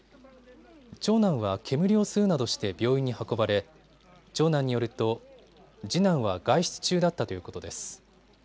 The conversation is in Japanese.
長男は煙を吸うなどして病院に運ばれ長男によると次男は外出中だったということです。